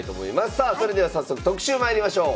さあそれでは早速特集まいりましょう。